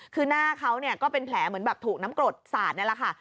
คือหน้าเขาก็เป็นแผลเหมือนแบบถูกน้ำกรดสาดนี่แหละค่ะ